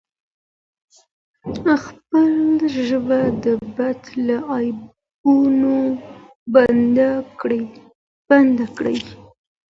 خپله ژبه د بل له عیبونو بنده کړئ.